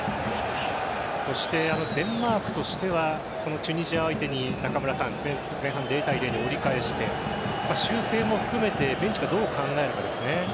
そしてデンマークとしてはチュニジアを相手に前半、０対０で折り返して修正も含めてベンチがどう考えるかですね。